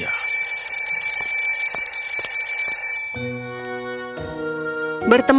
aku juga berharap